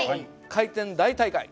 回転大大会。